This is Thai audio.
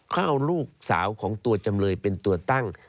เขาเอาลูกสาวของตัวจำเลยเป็นตัวตั้ง